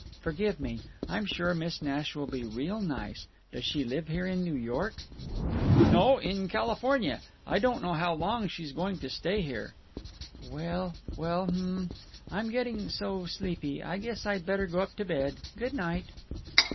Forgive me! I'm sure Miss Nash will be real nice. Does she live here in New York?" "No—in California…. I don't know how long she's going to stay here." "Well—well—hum m m. I'm getting so sleepy. I guess I'd better go up to bed. Good night."